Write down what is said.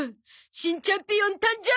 新チャンピオン誕生！